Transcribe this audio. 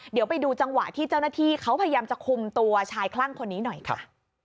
เดี๋ยวไปดูจังหวะที่เจ้าหน้าที่เขาพยายามจะคุมตัวชายคลั่งคนนี้หน่อยค่ะ